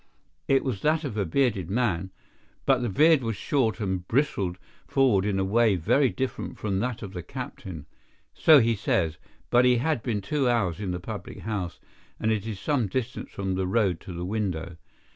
It was that of a bearded man, but the beard was short and bristled forward in a way very different from that of the captain. So he says, but he had been two hours in the public house, and it is some distance from the road to the window.